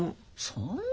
そんな。